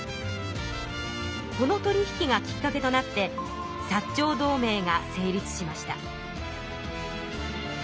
この取り引きがきっかけとなって薩長同盟が成立しました。